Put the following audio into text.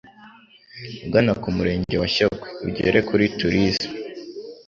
ugana ku Murenge wa Shyogwe ugere kuri Tourisme.”